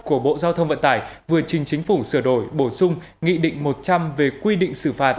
của bộ giao thông vận tải vừa trình chính phủ sửa đổi bổ sung nghị định một trăm linh về quy định xử phạt